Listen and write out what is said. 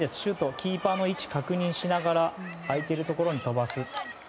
キーパーの位置を確認しながら相手のところに飛ばす。